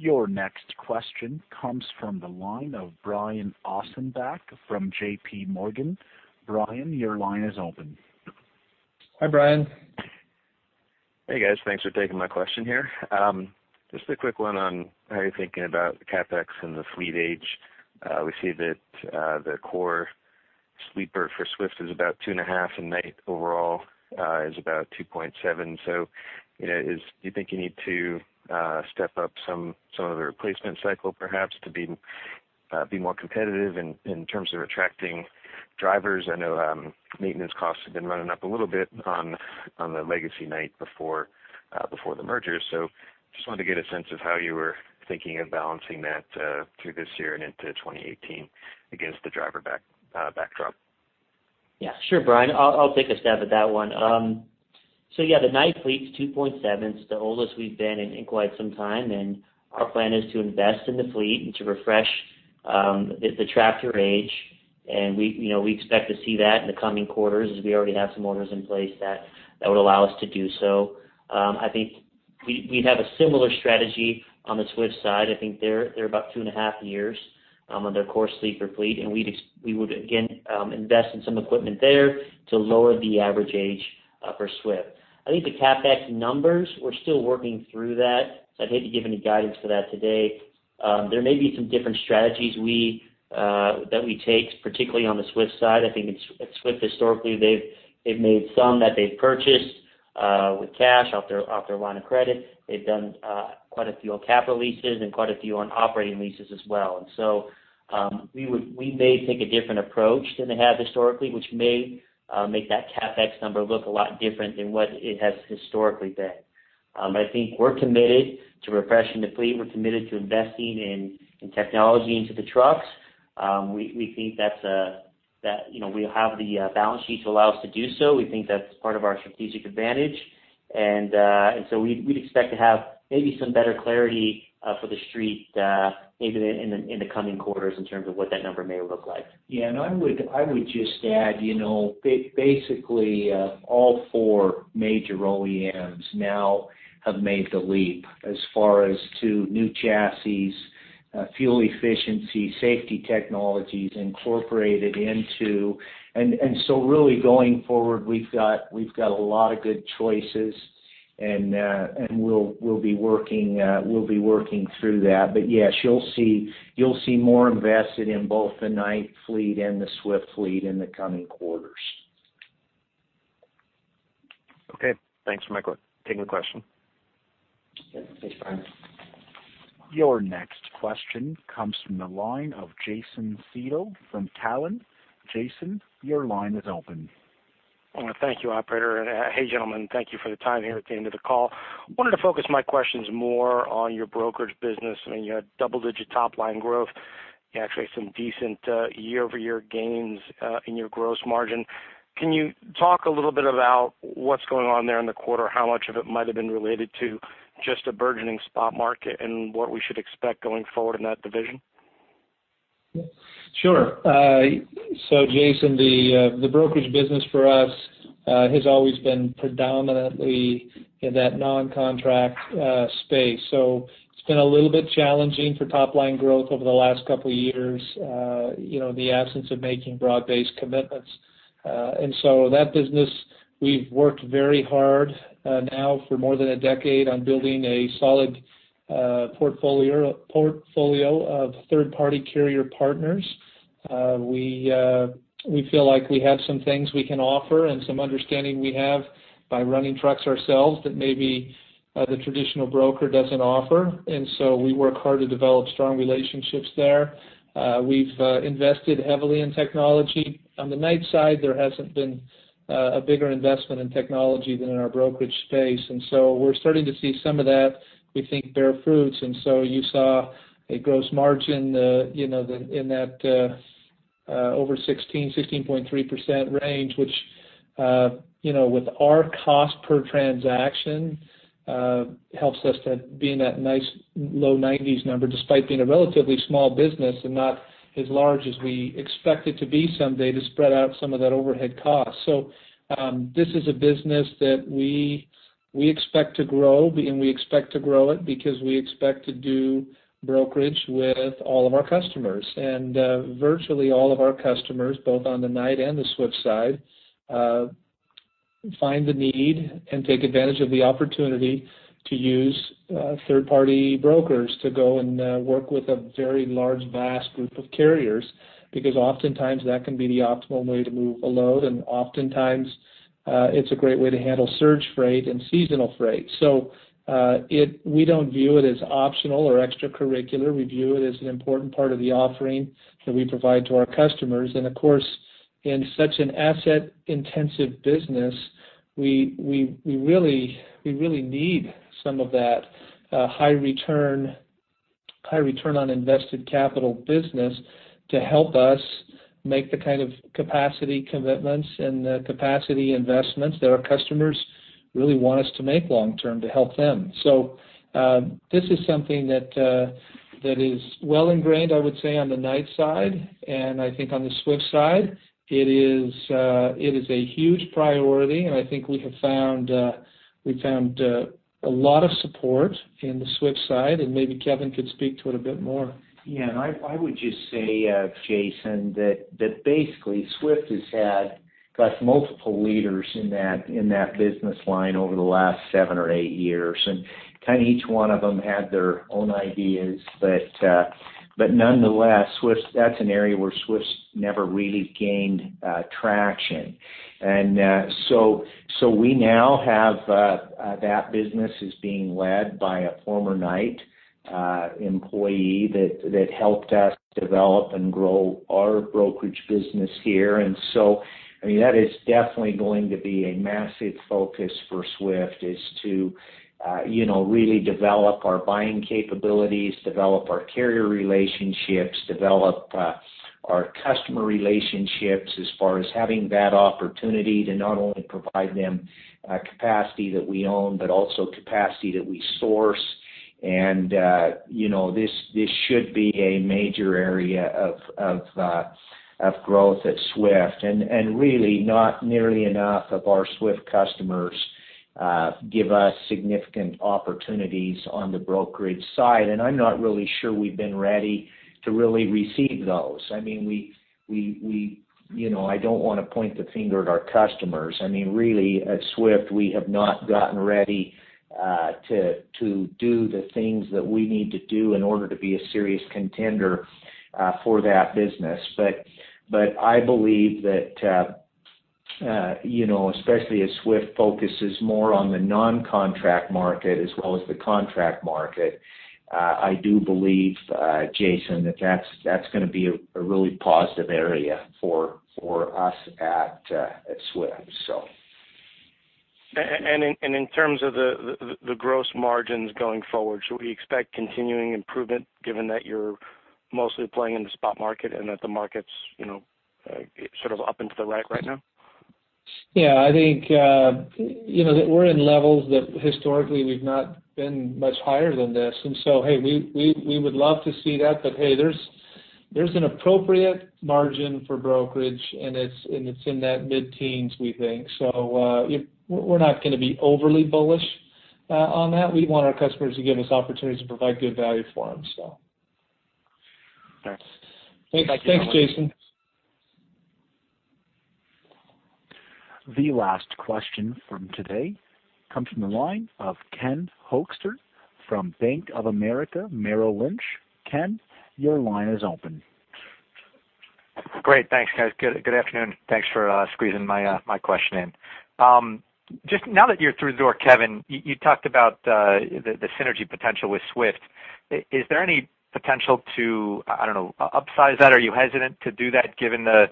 Your next question comes from the line of Brian Ossenbeck from JPMorgan. Brian, your line is open. Hi, Brian. Hey, guys. Thanks for taking my question here. Just a quick one on how you're thinking about CapEx and the fleet age. We see that the core sleeper for Swift is about 2.5, and Knight overall is about 2.7. So, you know, do you think you need to step up some of the replacement cycle, perhaps, to be more competitive in terms of attracting drivers? I know maintenance costs have been running up a little bit on the legacy Knight before the merger. So just wanted to get a sense of how you were thinking of balancing that through this year and into 2018 against the driver back backdrop. Yeah, sure, Brian. I'll, I'll take a stab at that one. So yeah, the Knight fleet's 2.7. It's the oldest we've been in quite some time, and our plan is to invest in the fleet and to refresh the tractor age. And we, you know, we expect to see that in the coming quarters, as we already have some orders in place that would allow us to do so. I think we have a similar strategy on the Swift side. I think they're about 2.5 years on their core sleeper fleet, and we would again invest in some equipment there to lower the average age for Swift. I think the CapEx numbers, we're still working through that, so I'd hate to give any guidance for that today. There may be some different strategies we, that we take, particularly on the Swift side. I think at Swift, historically, they've made some that they've purchased, with cash off their, off their line of credit. They've done, quite a few on capital leases and quite a few on operating leases as well. And so, we would, we may take a different approach than they have historically, which may, make that CapEx number look a lot different than what it has historically been. I think we're committed to refreshing the fleet. We're committed to investing in, in technology into the trucks. We, we think that's, that, you know, we have the, balance sheet to allow us to do so. We think that's part of our strategic advantage. And so we'd expect to have maybe some better clarity for the street, maybe in the coming quarters in terms of what that number may look like. Yeah, and I would, I would just add, you know, basically, all four major OEMs now have made the leap as far as to new chassis, fuel efficiency, safety technologies incorporated into... And, and so really going forward, we've got, we've got a lot of good choices, and, and we'll, we'll be working, we'll be working through that. But yes, you'll see, you'll see more invested in both the Knight fleet and the Swift fleet in the coming quarters. Okay, thanks for taking the question. Yeah. Thanks, Brian. Your next question comes from the line of Jason Seidl from Cowen. Jason, your line is open. Thank you, operator. And, hey, gentlemen, thank you for the time here at the end of the call. Wanted to focus my questions more on your brokerage business. I mean, you had double-digit top-line growth, and actually some decent year-over-year gains in your gross margin. Can you talk a little bit about what's going on there in the quarter? How much of it might have been related to just a burgeoning spot market, and what we should expect going forward in that division? Sure. So Jason, the brokerage business for us has always been predominantly in that non-contract space. So it's been a little bit challenging for top-line growth over the last couple of years, you know, the absence of making broad-based commitments. And so that business, we've worked very hard now for more than a decade on building a solid portfolio of third-party carrier partners. We feel like we have some things we can offer and some understanding we have by running trucks ourselves that maybe the traditional broker doesn't offer, and so we work hard to develop strong relationships there. We've invested heavily in technology. On the Knight side, there hasn't been a bigger investment in technology than in our brokerage space, and so we're starting to see some of that, we think, bear fruits. And so you saw a gross margin, you know, in that over 16%-16.3% range, which, you know, with our cost per transaction, helps us to be in that nice, low 90s number, despite being a relatively small business and not as large as we expect it to be someday, to spread out some of that overhead cost. So, this is a business that we expect to grow, and we expect to grow it because we expect to do brokerage with all of our customers. And virtually all of our customers, both on the Knight and the Swift side, find the need and take advantage of the opportunity to use third-party brokers to go and work with a very large, vast group of carriers, because oftentimes that can be the optimal way to move a load, and oftentimes it's a great way to handle surge freight and seasonal freight. So we don't view it as optional or extracurricular. We view it as an important part of the offering that we provide to our customers. And of course in such an asset-intensive business, we, we really, we really need some of that high return, high return on invested capital business to help us make the kind of capacity commitments and the capacity investments that our customers really want us to make long term to help them. So, this is something that is well ingrained, I would say, on the Knight side, and I think on the Swift side, it is a huge priority, and I think we have found a lot of support in the Swift side, and maybe Kevin could speak to it a bit more. Yeah, and I would just say, Jason, that basically Swift has had, like, multiple leaders in that business line over the last seven or eight years, and kind of each one of them had their own ideas. But nonetheless, Swift, that's an area where Swift never really gained traction. And so we now have that business is being led by a former Knight employee that helped us develop and grow our brokerage business here. And so, I mean, that is definitely going to be a massive focus for Swift, is to you know, really develop our buying capabilities, develop our carrier relationships, develop our customer relationships as far as having that opportunity to not only provide them capacity that we own, but also capacity that we source. You know, this should be a major area of growth at Swift. Really, not nearly enough of our Swift customers give us significant opportunities on the brokerage side, and I'm not really sure we've been ready to really receive those. I mean, you know, I don't want to point the finger at our customers. I mean, really, at Swift, we have not gotten ready to do the things that we need to do in order to be a serious contender for that business. But I believe that, you know, especially as Swift focuses more on the non-contract market as well as the contract market, I do believe, Jason, that that's gonna be a really positive area for us at Swift, so. And in terms of the gross margins going forward, should we expect continuing improvement given that you're mostly playing in the spot market and that the market's, you know, sort of up into the rack right now? Yeah, I think, you know, that we're in levels that historically we've not been much higher than this. And so, hey, we would love to see that, but hey, there's an appropriate margin for brokerage, and it's in that mid-teens, we think. So, we're not gonna be overly bullish on that. We want our customers to give us opportunities to provide good value for them, so. Thanks. Thanks, Jason. The last question from today comes from the line of Ken Hoexter from Bank of America Merrill Lynch. Ken, your line is open. Great. Thanks, guys. Good afternoon. Thanks for squeezing my question in. Just now that you're through the door, Kevin, you talked about the synergy potential with Swift. Is there any potential to, I don't know, upsize that? Are you hesitant to do that given the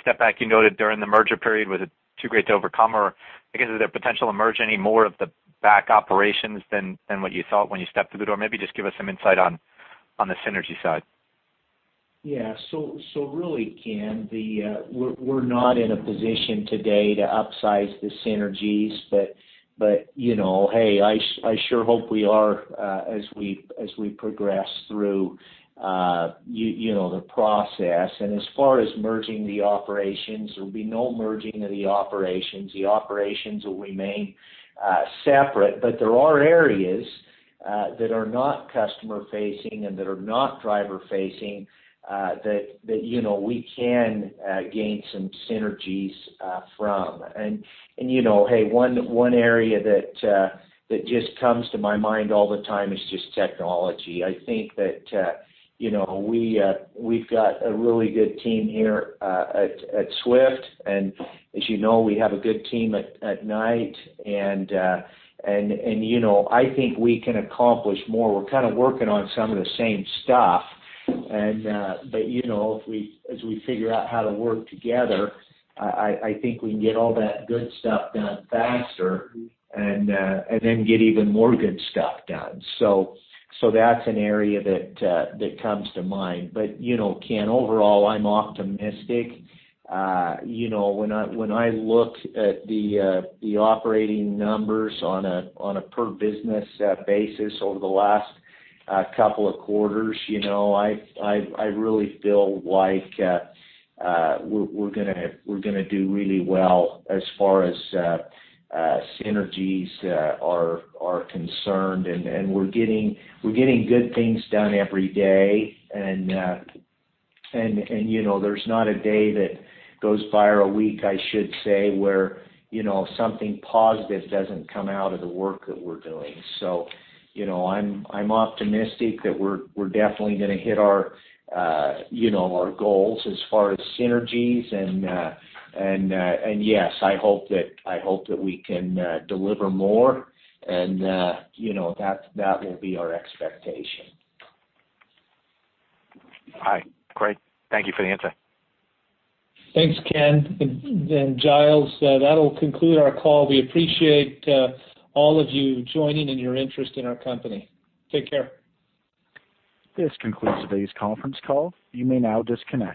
step back you noted during the merger period? Was it too great to overcome? Or I guess, is there potential to merge any more of the back operations than what you thought when you stepped through the door? Maybe just give us some insight on the synergy side. Yeah. So really, Ken, we're not in a position today to upsize the synergies, but you know, hey, I sure hope we are as we progress through you know the process. And as far as merging the operations, there will be no merging of the operations. The operations will remain separate, but there are areas that are not customer facing and that are not driver facing that you know we can gain some synergies from. And you know, hey, one area that just comes to my mind all the time is just technology. I think that you know we've got a really good team here at Swift, and as you know, we have a good team at Knight. And, you know, I think we can accomplish more. We're kind of working on some of the same stuff, and, but, you know, if we, as we figure out how to work together, I think we can get all that good stuff done faster and then get even more good stuff done. So, that's an area that comes to mind. But, you know, Ken, overall, I'm optimistic. You know, when I look at the operating numbers on a per business basis over the last couple of quarters, you know, I really feel like we're gonna do really well as far as synergies are concerned. And we're getting good things done every day. You know, there's not a day that goes by or a week, I should say, where, you know, something positive doesn't come out of the work that we're doing. So, you know, I'm optimistic that we're definitely gonna hit our, you know, our goals as far as synergies. And yes, I hope that, I hope that we can deliver more, and, you know, that, that will be our expectation. All right, great. Thank you for the answer. Thanks, Ken and Giles. That'll conclude our call. We appreciate all of you joining and your interest in our company. Take care. This concludes today's conference call. You may now disconnect.